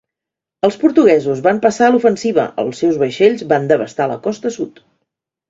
Els portuguesos van passar a l'ofensiva; els seus vaixells van devastar la costa sud.